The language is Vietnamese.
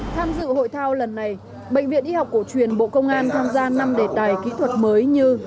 tham dự hội thao lần này bệnh viện y học cổ truyền bộ công an tham gia năm đề tài kỹ thuật mới như